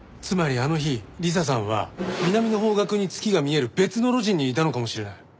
つまりあの日理彩さんは南の方角に月が見える別の路地にいたのかもしれない。